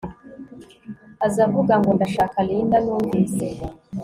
aza avuga ngo ndashaka Linda Numvise